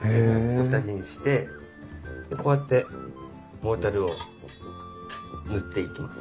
これ下地にしてこうやってモルタルを塗っていきます。